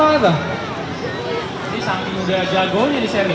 ini udah jago jadi seri